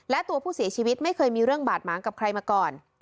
และตัวผู้เสียชีวิตไม่เคยมีเรื่องบาดหมางกับใครมาก่อน